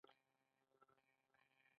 په دې پړاو کې د کار ځایونه په کارخانو بدلېږي